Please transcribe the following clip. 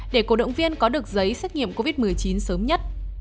để cổ động viên có được giấy xét nghiệm covid một mươi chín sớm nhất